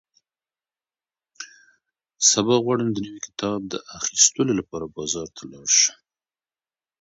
سبا غواړم د نوي کتاب د اخیستلو لپاره بازار ته لاړ شم.